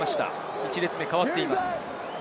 １列目、代わっています。